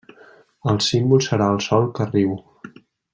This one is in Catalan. El símbol serà el sol que riu.